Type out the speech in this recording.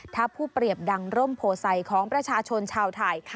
ถ้าผู้เปรียบดังร่มโพไซของประชาชนชาวไทย